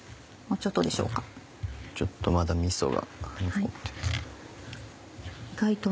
ちょっとまだみそが残ってる。